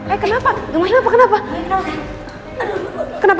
eh kenapa kenapa kenapa